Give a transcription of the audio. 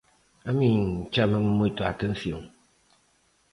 A min chámame moito a atención.